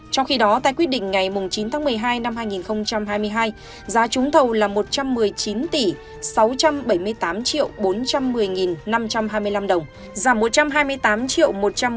trong khi đó tại quyết định ngày chín tháng một mươi hai năm hai nghìn hai mươi hai giá trúng thầu là một trăm một mươi chín tỷ sáu trăm bảy mươi tám triệu bốn trăm một mươi năm trăm hai mươi năm đồng giảm một trăm hai mươi tám triệu một trăm một mươi hai ba trăm bốn mươi hai